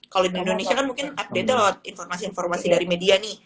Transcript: kalau di indonesia kan mungkin update nya lewat informasi informasi dari media nih